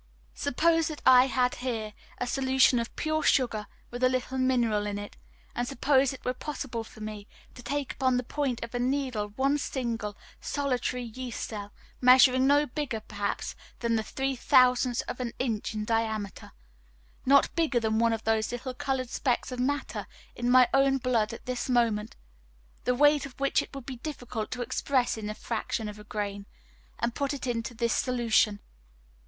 Suppose that I had here a solution of pure sugar with a little mineral matter in it; and suppose it were possible for me to take upon the point of a needle one single, solitary yeast cell, measuring no more perhaps than the three thousandth of an inch in diameter not bigger than one of those little coloured specks of matter in my own blood at this moment, the weight of which it would be difficult to express in the fraction of a grain and put it into this solution.